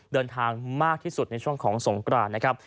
เดินทางมากที่สุดในช่วงของสงกรานนะครับ